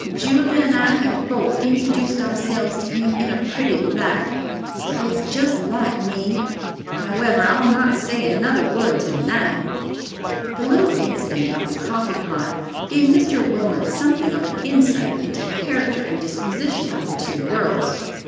Julia and I have both introduced ourselves to him in a pretty light, but it's just like me—however, I'll not say another word tonight!" The little incident of the coffee pot gave Mr. Wilmot something of an insight into the character and disposition of the two girls.